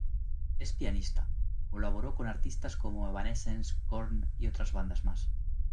Es pianista, colaboró con artistas como Evanescence y Korn y otras bandas más.